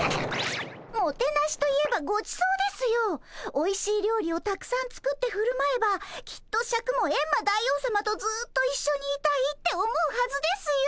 おいしい料理をたくさん作ってふるまえばきっとシャクもエンマ大王さまとずっといっしょにいたいって思うはずですよ。